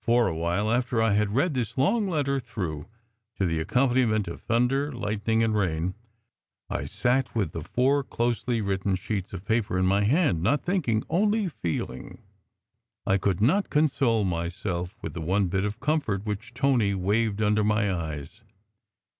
For a while, after I had read this long letter through, to the accompaniment of thunder, lightning, and rain, I sat with the four closely written sheets of paper in my hand, not thinking, only feeling. I could not console myself with "the one bit of comfort" which Tony waved under my eyes.